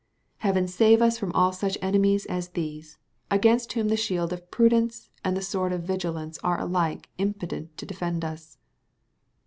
Heaven save us all from such enemies as these, against whom the shield of prudence and the sword of vigilance are alike impotent to defend us!